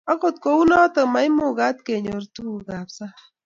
agot ko u noton maimungak kenyor tuguk ab sang